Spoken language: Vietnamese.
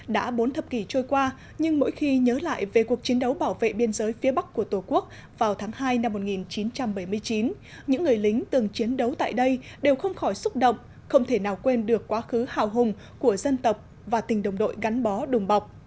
đã bốn thập kỷ trôi qua nhưng mỗi khi nhớ lại về cuộc chiến đấu bảo vệ biên giới phía bắc của tổ quốc vào tháng hai năm một nghìn chín trăm bảy mươi chín những người lính từng chiến đấu tại đây đều không khỏi xúc động không thể nào quên được quá khứ hào hùng của dân tộc và tình đồng đội gắn bó đùng bọc